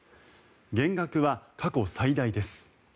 減額は過去最大です。